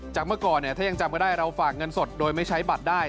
เมื่อก่อนเนี่ยถ้ายังจำก็ได้เราฝากเงินสดโดยไม่ใช้บัตรได้